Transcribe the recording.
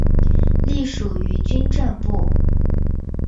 隶属于军政部。